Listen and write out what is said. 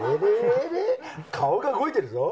顔が動いてるぞ？